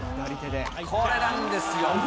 これなんですよ。